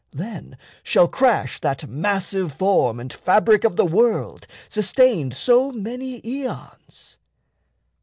Then shall crash That massive form and fabric of the world Sustained so many aeons!